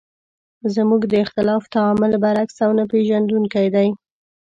زموږ د اختلاف تعامل برعکس او نه پېژندونکی دی.